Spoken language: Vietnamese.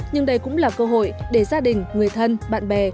nhưng đây cũng là cơ hội để gia đình người thân bạn bè